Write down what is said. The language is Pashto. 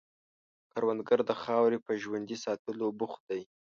کروندګر د خاورې په ژوندي ساتلو بوخت دی